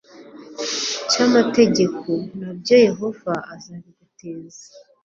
cy'amategeko, na byo yehova azabiguteza